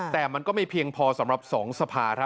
แต่มันก็ไม่เพียงพอสำหรับ๒สภาครับ